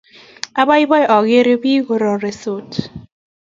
Apaipai akere piik kororitos